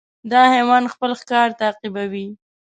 دا حیوان خپل ښکار تعقیبوي.